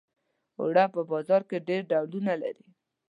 اوړه په بازار کې ډېر ډولونه لري